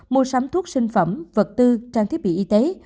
mua sắm thuốc sinh phẩm vật tư trang thiết bị y tế